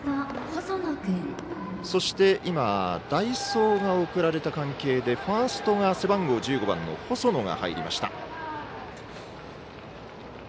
そして今代走が送られた関係でファーストに背番号１５番の細野が入りました。